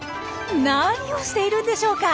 何をしているんでしょうか。